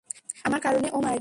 আমার কারণে ও মারা গেছে।